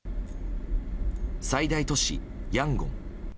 最大都市ヤンゴン。